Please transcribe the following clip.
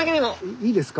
いいですか？